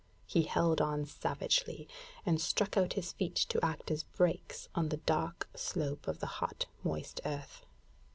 He held on savagely, and struck out his feet to act as brakes on the dark slope of the hot, moist earth.